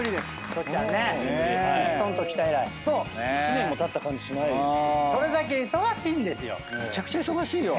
それだけ忙しいんですよ。